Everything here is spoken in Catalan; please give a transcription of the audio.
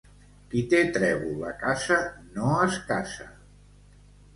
Qui té trèvol a casa no es casa.